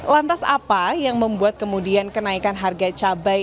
lantas apa yang membuat kemudian kenaikan harga cabai